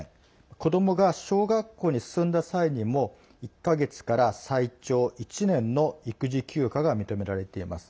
子どもが小学校に進んだ際にも１か月から最長１年の育児休暇が認められています。